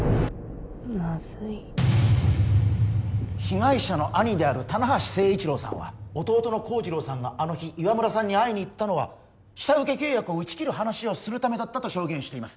まずい被害者の兄である棚橋政一郎さんは弟の幸次郎さんがあの日岩村さんに会いに行ったのは下請け契約を打ち切る話をするためと証言しています